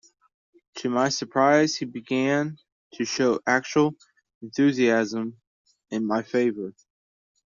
To my surprise he began to show actual enthusiasm in my favor.